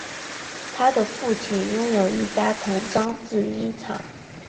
他的父亲拥有一家童装制衣厂。